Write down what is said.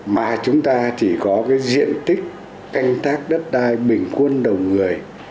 mà chúng ta chỉ có cái diện tích canh tác đất đai bình quân đầu người